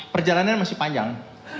perjalanan masih panjang